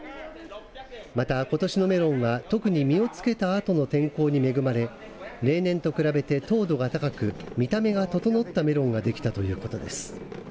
また、ことしのメロンは特に実をつけた後の天候に恵まれ例年と比べて糖度が高く見た目が整ったメロンができたということです。